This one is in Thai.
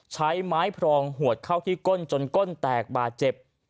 ใช้ไม้พรองหวดเข้าที่ก้นจนก้นแตกบาดเจ็บ